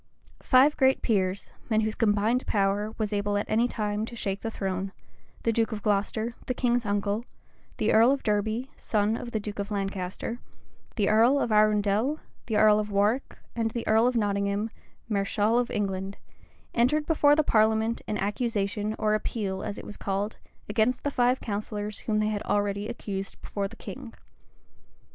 Five great peers, men whose combined power was able at any time to shake the throne, the duke of Glocester, the king's uncle; the earl of Derby, son of the duke of Lancaster; the earl of Arundel; the earl of Warwick; and the earl of Nottingham, mareschal of England, entered before the parliament an accusation, or appeal, as it was called, against the five counsellors whom they had already accused before the king.